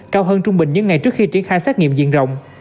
cao hơn trung bình những ngày trước khi triển khai xét nghiệm diện rộng